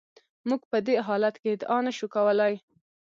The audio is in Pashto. موږ په دې حالت کې ادعا نشو کولای.